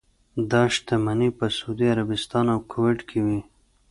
دا شتمنۍ په سعودي عربستان او کویټ کې وې.